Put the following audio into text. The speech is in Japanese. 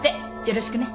よろしくね。